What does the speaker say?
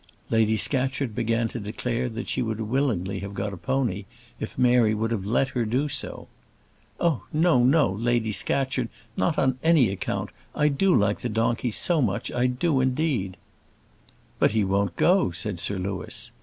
Lady Scatcherd began to declare that she would willingly have got a pony if Mary would have let her do so. "Oh, no, Lady Scatcherd; not on any account. I do like the donkey so much I do indeed." "But he won't go," said Sir Louis.